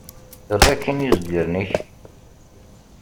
Err akkin izgaren-ik!